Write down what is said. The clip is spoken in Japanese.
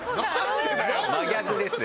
真逆ですよ。